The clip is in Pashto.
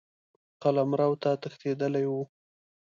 قلمرو ته تښتېدلی وو.